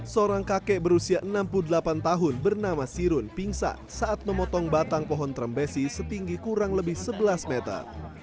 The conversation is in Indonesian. seorang kakek berusia enam puluh delapan tahun bernama sirun pingsan saat memotong batang pohon trembesi setinggi kurang lebih sebelas meter